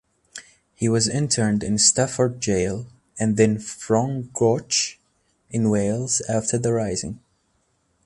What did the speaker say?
He was interned in Stafford jail and then Frongoch in Wales after the Rising.